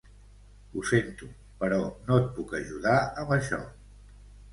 Ho sento, però no et puc ajudar amb això.